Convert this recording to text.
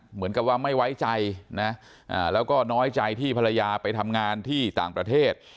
เหมือนกับว่าไม่ไว้ใจนะแล้วก็น้อยใจที่ภรรยาไปทำงานที่ต่างประเทศ